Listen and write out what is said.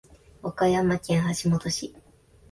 和歌山県橋本市